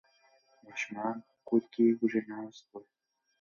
ماشومان په کور کې وږي ناست وو.